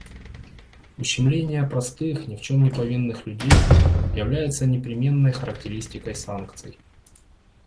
Ущемление простых, ни в чем не повинных людей является непременной характеристикой санкций.